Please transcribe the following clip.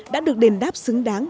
đã được đền đáp xứng đáng